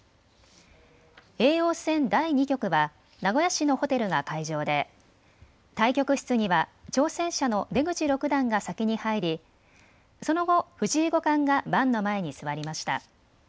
叡王戦、第２局は名古屋市のホテルが会場で対局室には挑戦者の出口六段が先に入り、その後、藤井五冠が盤の前に座りました。